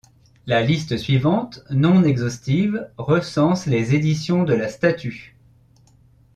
La liste suivante, non exhaustive, recense les éditions de la statue.